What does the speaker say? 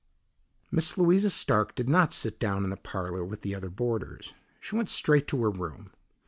Miss Louisa Stark did not sit down in the parlour with the other boarders. She went straight to her room.